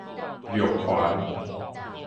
玉環